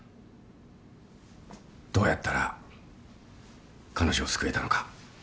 どうやったら彼女を救えたのか。